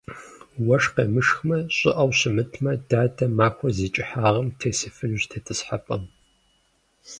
Уэшх къемышхмэ, щӀыӀэу щымытмэ, дадэ махуэр зи кӀыхьагъым тесыфынущ тетӏысхьэпӏэм.